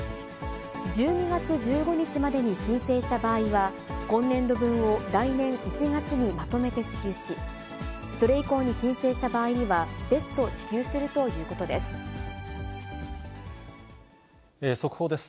１２月１５日までに申請した場合は、今年度分を来年１月にまとめて支給し、それ以降に申請した場合に速報です。